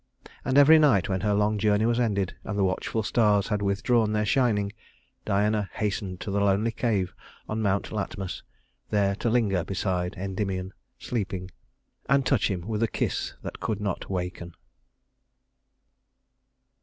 And every night when her long journey was ended, and the watchful stars had withdrawn their shining, Diana hastened to the lonely cave on Mount Latmus, there to linger beside Endymion sleeping, and touch him with a kiss that could not waken.